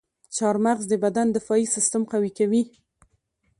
چارمغز د بدن دفاعي سیستم قوي کوي.